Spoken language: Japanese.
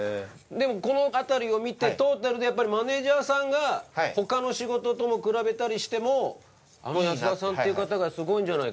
でもこの辺りを見てトータルでやっぱりマネジャーさんが他の仕事とも比べたりしてもあの安田さんっていう方がすごいんじゃないかと。